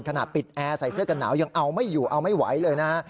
ขนาดปิดแอร์ใส่เสื้อกันหนาวยังเอาไม่อยู่เอาไม่ไหวเลยนะฮะ